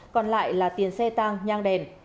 còn lại là tiền xe tăng nhang đèn